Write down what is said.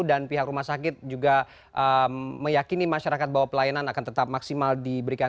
dan pihak rumah sakit juga meyakini masyarakat bahwa pelayanan akan tetap maksimal diberikan